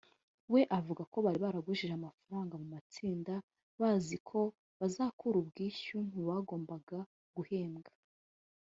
we avuga ko bari baragujije amafaranga mu matsinda bazi ko bazakura ubwishyu muyo bagombaga guhembwa